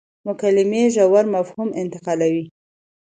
مکالمې ژور مفاهیم انتقالوي.